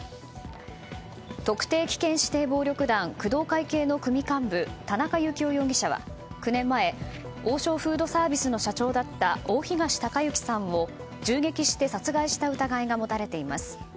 特定危険指定暴力団工藤会系の組幹部田中幸雄容疑者は、９年前王将フードサービスの社長だった大東隆行さんを銃撃して殺害した疑いが持たれています。